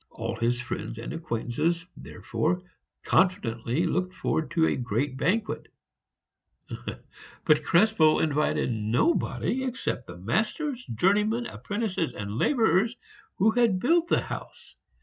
All his friends and acquaintances, therefore, confidently looked forward to a great banquet; but Krespel invited nobody except the masters, journeymen, apprentices, and laborers who had built the house.